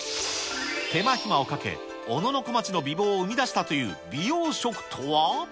手間暇をかけ、小野小町の美貌を生み出したという美容食とは。